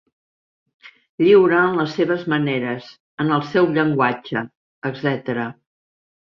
Lliure en les seves maneres, en el seu llenguatge, etc.